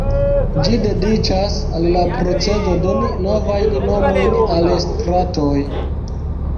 Ĝi dediĉas al la procezo doni novajn nomojn al stratoj.